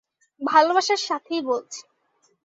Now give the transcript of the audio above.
ভালোবাসার সাথেই বলছি।